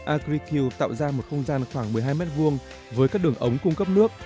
agricube tạo ra một không gian khoảng một mươi hai m hai với các đường ống cung cấp nước